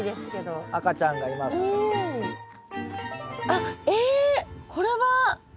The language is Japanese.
あっえっこれは。